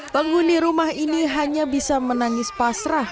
penghuni rumah ini hanya bisa menangis pasrah